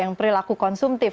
yang perilaku konsumtif